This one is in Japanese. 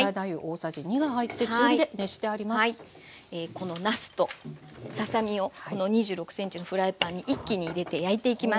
このなすとささ身をこの２６ｃｍのフライパンに一気に入れて焼いていきます。